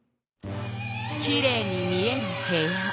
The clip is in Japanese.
きれいに見える部屋。